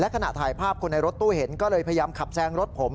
ขณะถ่ายภาพคนในรถตู้เห็นก็เลยพยายามขับแซงรถผม